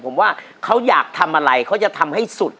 ผมว่าเขาอยากทำอะไรเขาจะทำให้สุด